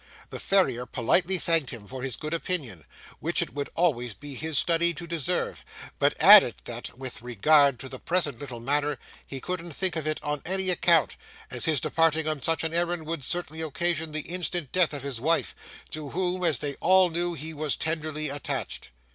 The farrier politely thanked him for his good opinion, which it would always be his study to deserve, but added that, with regard to the present little matter, he couldn't think of it on any account, as his departing on such an errand would certainly occasion the instant death of his wife, to whom, as they all knew, he was tenderly attached.